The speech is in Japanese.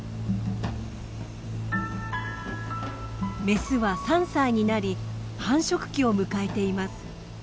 メスは３歳になり繁殖期を迎えています。